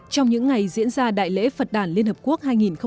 trong những ngày diễn ra đại lễ phật đàn liên hợp quốc hai nghìn một mươi chín